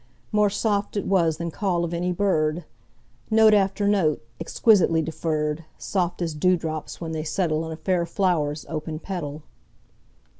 More soft it was than call of any bird, Note after note, exquisitely deferr'd, Soft as dew drops when they settleIn a fair flower's open petal.